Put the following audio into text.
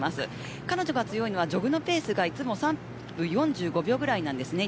彼女が強いのはジョグのペースがいつも３分４５秒ぐらいなんですね。